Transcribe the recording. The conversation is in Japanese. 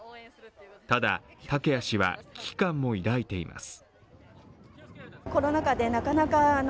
ただ、竹谷氏は危機感も抱いています。